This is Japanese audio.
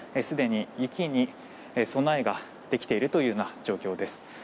すでに雪に備えができているというような状況です。